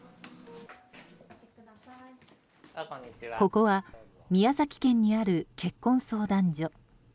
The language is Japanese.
ここは宮崎県にある結婚相談所。